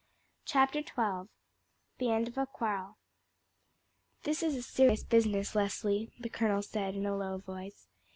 CHAPTER XII: The End of the Quarrel. "This is a serious business, Leslie," the colonel said in a low voice.